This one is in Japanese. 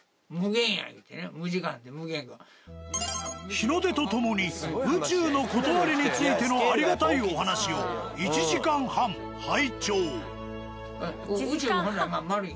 日の出と共に宇宙の理についてのありがたいお話を１時間半拝聴。